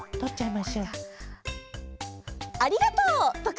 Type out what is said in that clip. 「ありがとう！」とか。